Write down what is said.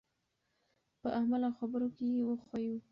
په عمل او خبرو کې یې وښیو.